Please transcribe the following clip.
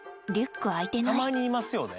たまにいますよね。